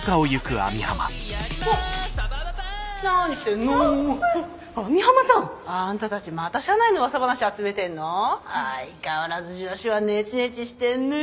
あ網浜さん！あんたたちまた社内のうわさ話集めてんの？相変わらず女子はネチネチしてんね。